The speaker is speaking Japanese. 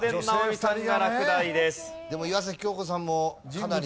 でも岩崎恭子さんもかなり。